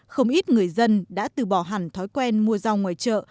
không ít người dân đã từ bỏ hẳn thói quen mua rau ngoài chợ